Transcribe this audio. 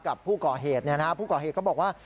กับผู้ก่อเหตุผู้ก่อเหตุเขาบอกว่า